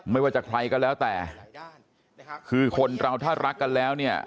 ไม่ว่าจะใครก็แล้วแต่คือคนเราถ้ารักกันแล้วเนี่ย